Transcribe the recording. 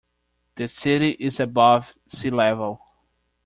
The city is above sea level.